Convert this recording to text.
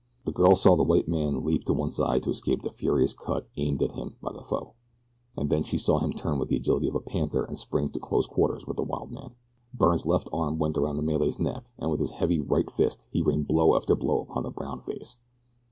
The girl saw the white man leap to one side to escape the furious cut aimed at him by his foe, and then she saw him turn with the agility of a panther and spring to close quarters with the wild man. Byrne's left arm went around the Malay's neck, and with his heavy right fist he rained blow after blow upon the brown face.